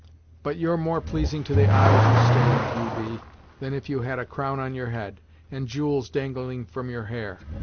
But you're more pleasing to the eye as you stand, you be, than if you had a crown on your head, and jewels dangling from your hair.